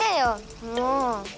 もう。